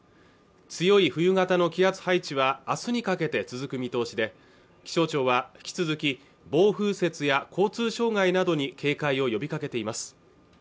強い冬型の気圧配置はあすにかけて続く見通しで気象庁は引き続き暴風雪や交通障害などに警戒を呼びかけています